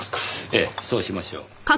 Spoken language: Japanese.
ええそうしましょう。